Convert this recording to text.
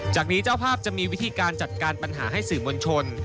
จากนี้เจ้าภาพจะมีวิธีการจัดการปัญหาให้สื่อมวลชน